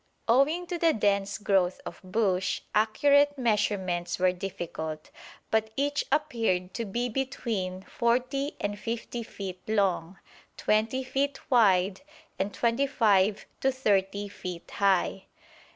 Owing to the dense growth of bush accurate measurements were difficult; but each appeared to be between 40 and 50 feet long, 20 feet wide, and 25 to 30 feet high.